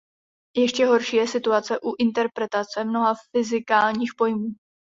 Ještě horší je situace u „interpretace“ mnoha fyzikálních pojmů.